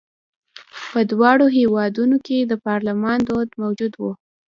په دواړو هېوادونو کې د پارلمان دود موجود و.